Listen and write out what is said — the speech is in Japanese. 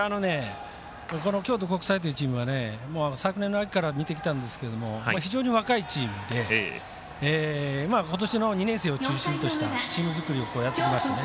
京都国際というチームは昨年の秋から見てきたんですが非常に若いチームでことし、２年生を中心としたチーム作りをやってきました。